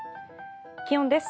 気温です。